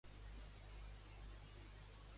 M'agradaria fer créixer l'àudio.